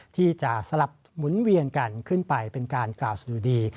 ที่จะสลับหมุนเวียนกันขึ้นไปเป็นการกล่าวสะดุดี